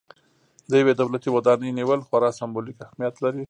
د یوې دولتي ودانۍ نیول خورا سمبولیک اهمیت لري.